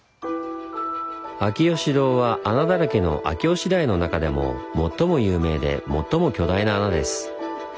秋芳洞は穴だらけの秋吉台の中でも最も有名で最も巨大な穴です。